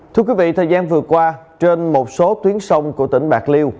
thưa quý vị thời gian vừa qua trên một số tuyến sông của tỉnh bạc liêu